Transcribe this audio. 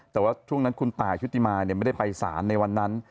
แต่ว่าช่วงนั้นคุณตายชุติมาไม่ได้ไปสารในวันนั้น